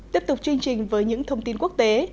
tiếp tục chương trình với những thông tin quốc tế